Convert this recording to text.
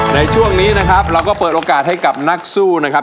ในช่วงนี้นะครับเราก็เปิดโอกาสให้กับนักสู้นะครับ